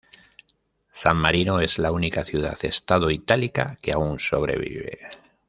San Marino es la única ciudad-estado itálica que aún sobrevive.